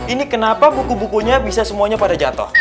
ini kenapa buku bukunya bisa semuanya pada jatuh